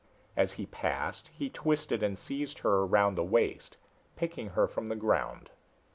As he passed he twisted and seized her around the waist, picking her from the ground.